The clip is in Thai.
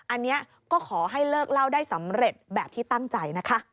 อันนี้ก็ขอให้เลิกเล่าได้สำเร็จแบบที่ตั้งใจนะคะ